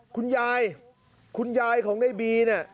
คุณยายคุณยายของในบีเนี่ย